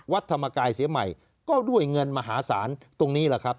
ธรรมกายเสียใหม่ก็ด้วยเงินมหาศาลตรงนี้แหละครับ